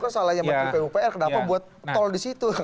saya menunggu pmu pr kenapa buat tol di situ